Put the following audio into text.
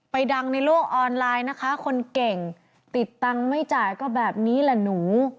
ดังในโลกออนไลน์นะคะคนเก่งติดตังค์ไม่จ่ายก็แบบนี้แหละหนู